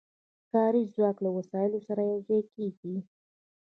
کاري ځواک له وسایلو سره یو ځای کېږي